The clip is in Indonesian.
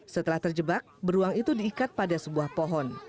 setelah terjebak beruang itu diikat pada sebuah pohon